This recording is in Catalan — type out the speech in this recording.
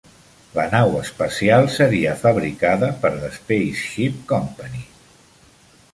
La nau espacial seria fabricada per The Spaceship Company.